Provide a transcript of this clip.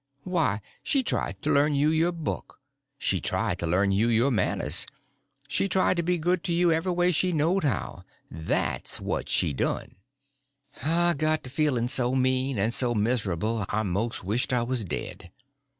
Why, she tried to learn you your book, she tried to learn you your manners, she tried to be good to you every way she knowed how. That's what she done." I got to feeling so mean and so miserable I most wished I was dead.